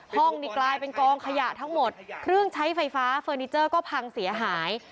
ห้องนี่กลายเป็นกองขยะทั้งหมดเครื่องใช้ไฟฟ้าเฟอร์นิเจอร์ก็พังเสียหาย